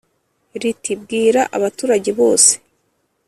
riti bwira abaturage bose